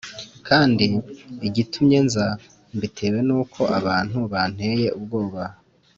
kandi igitumye nza mbitewe n’uko abantu banteye ubwoba